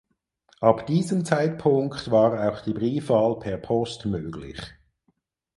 Ab diesem Zeitpunkt war auch die Briefwahl per Post möglich.